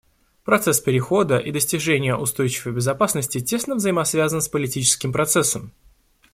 Процесс перехода и достижения устойчивой безопасности тесно взаимосвязан с политическим процессом.